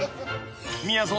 ［みやぞん